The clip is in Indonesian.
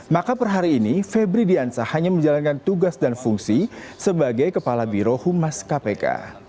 maka per hari ini febri diansah hanya menjalankan tugas dan fungsi sebagai kepala birohumas kpk